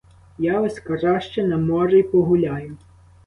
Я ось краще на морі погуляю.